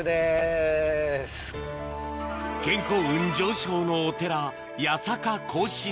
健康運上昇のお寺